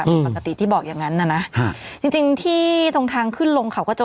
มันปกติที่บอกอย่างงันนะนะฮะจริงจริงที่ตรงทางขึ้นลงขาวกระโจม